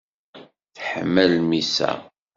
Teḥma lmissa.